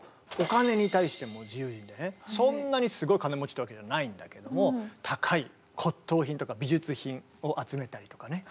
結構そんなにすごい金持ちってわけじゃないんだけども高い骨とう品とか美術品を集めたりとかね。